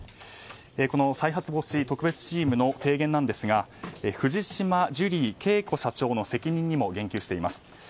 この再発防止特別チームの提言なんですが藤島ジュリー景子社長の責任にも言及しています。